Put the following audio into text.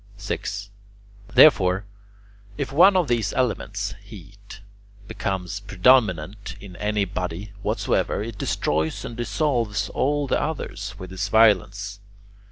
6. Therefore, if one of these elements, heat, becomes predominant in any body whatsoever, it destroys and dissolves all the others with its violence.